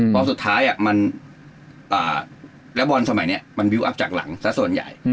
สุดท้ายแล้วบอลสมัยนี้มันวิวอัพจากหลังซะส่วนใหญ่